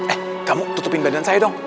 eh kamu tutupin badan saya dong